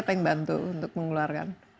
apa yang bantu untuk mengeluarkan